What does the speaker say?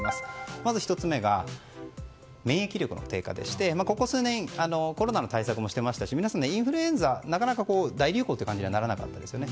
まず１つ目は免疫力の低下でしてここ数年コロナの対策をしていましたしインフルエンザがなかなか大流行という感じにはならなかったですよね。